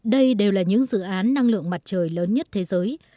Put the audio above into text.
đây đều là những dự án năng lượng mặt trời lớn nhất thế giới